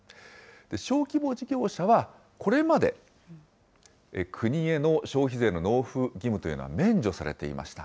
小規模事業者はこれまで、国への消費税の納付義務というのは免除されていました。